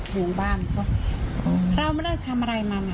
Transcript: ห่วงบ้านเขาเราไม่ได้ทำอะไรมัน